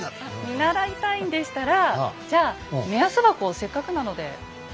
見習いたいんでしたらじゃあ目安箱をせっかくなので置きましょっか。